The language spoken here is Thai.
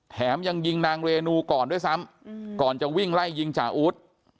แถมยังยิงนางเรนูก่อนด้วยซ้ำก่อนจะวิ่งไล่ยิงจ่าอู๊ด